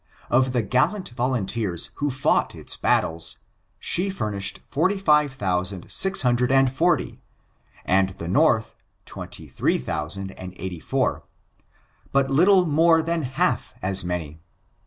Of the gallant volunteers who fought its battles, she furnished forty five thousand six hundred and forty, and the North twenty three thousand and eighty four — but little more than half as many.